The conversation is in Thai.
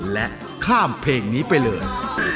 และข้ามเพลงนี้ไปเลย